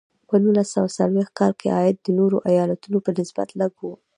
په نولس سوه څلویښت کال کې عاید د نورو ایالتونو په نسبت لږ و.